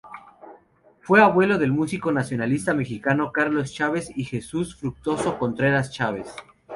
Fue abuelo del músico nacionalista mexicano Carlos Chávez y Jesús Fructuoso Contreras Chávez.